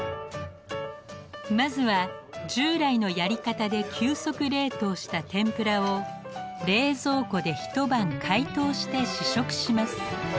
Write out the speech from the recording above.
まずは従来のやり方で急速冷凍した天ぷらを冷蔵庫で一晩解凍して試食します。